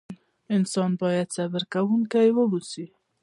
انسان بايد صبر کوونکی واوسئ.